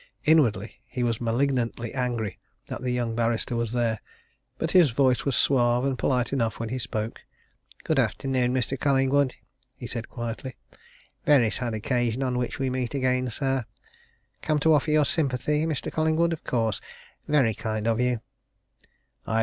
Inwardly, he was malignantly angry that the young barrister was there, but his voice was suave, and polite enough when he spoke. "Good afternoon, Mr. Collingwood," he said quietly. "Very sad occasion on which we meet again, sir. Come to offer your sympathy, Mr. Collingwood, of course very kind of you."